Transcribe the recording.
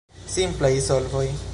Simplaj solvoj!